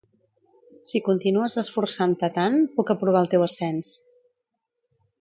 Si continues esforçant-te tant, puc aprovar el teu ascens.